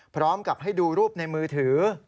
พร้อมกับให้ดูรูปในมือถือ